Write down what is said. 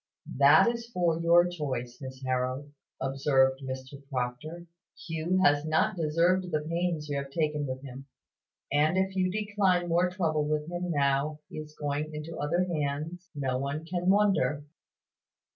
"That is for your choice, Miss Harold," observed Mrs Proctor. "Hugh has not deserved the pains you have taken with him: and if you decline more trouble with him now he is going into other hands, no one can wonder."